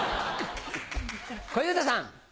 小遊三さん。